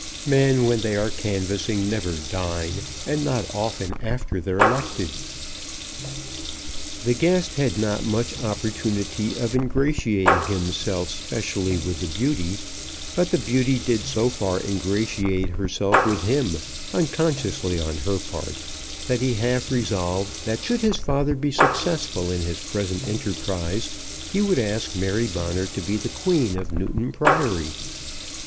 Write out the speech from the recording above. Men when they are canvassing never dine; and not often after they're elected." The guest had not much opportunity of ingratiating himself specially with the beauty; but the beauty did so far ingratiate herself with him, unconsciously on her part, that he half resolved that should his father be successful in his present enterprise, he would ask Mary Bonner to be the Queen of Newton Priory.